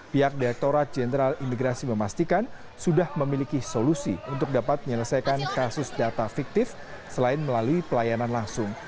pihak direkturat jenderal imigrasi memastikan sudah memiliki solusi untuk dapat menyelesaikan kasus data fiktif selain melalui pelayanan langsung